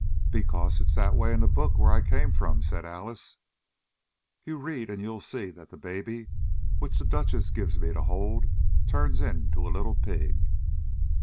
"Because it's that way in the book where I came from," said Alice. "You read and you'll see that the baby which the Duchess gives me to hold turns into a little pig."